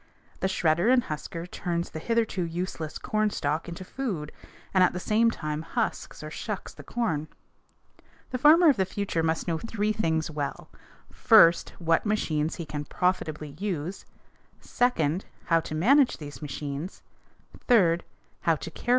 The shredder and husker turns the hitherto useless cornstalk into food, and at the same time husks, or shucks, the corn. The farmer of the future must know three things well: first, what machines he can profitably use; second, how to manage these machines; third, how to care for these machines.